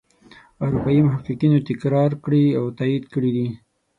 اروپايي محققینو تکرار کړي او تایید کړي دي.